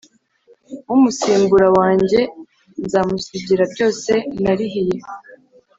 Umusimbura wanjye nzamusigira byose narihiye